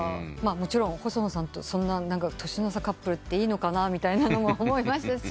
もちろん細野さんと年の差カップルっていいのかなみたいなのも思いましたし。